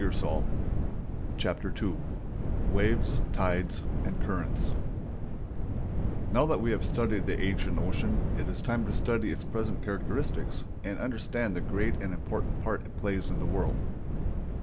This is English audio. ] CHAPTER II WAVES, TIDES, AND CURRENTS Now that we have studied the ancient ocean, it is time to study its present characteristics and understand the great and important part it plays in the world.